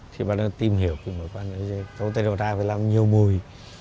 thì bà nữ tìm hiểu về mối quan hệ giữa cấu tên đồ đa với làm nhiều mùi